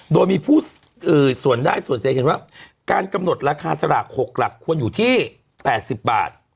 โดยมีผู้ส่วนได้ส่วนเสียเห็นว่าการกำหนดราคาสลาก๖หลักควรอยู่ที่๘๐บาท